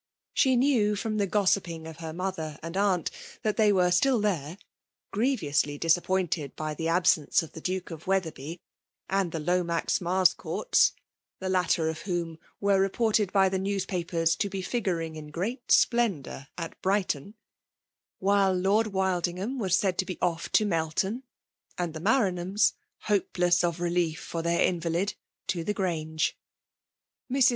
She knew firom the gossip ing of her mother and aunt, that they were still there, grievously disappointed by the absence of the Duke of Wetherby and the Lomax Marscourts (the latter of whom were reported by the newspapers to be figuring in great splendour at Brighton); while Lord Wildingham was said to be off to Melton, and the Maranhams, hopeless of relief for their invalid — ^to the Grange. Mrs.